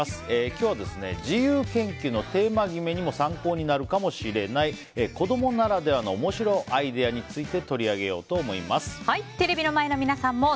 今日は自由研究のテーマ決めにも参考になるかもしれない子供ならではの面白アイデアについてテレビの前の皆さんもＮＯＮＳＴＯＰ！